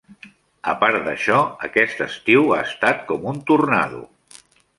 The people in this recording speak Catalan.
A part d'això, aquest estiu ha estat com un tornado.